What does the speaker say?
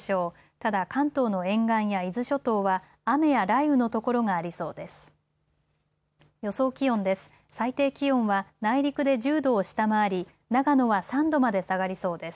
ただ関東の沿岸や伊豆諸島は雨や雷雨の所がありそうです。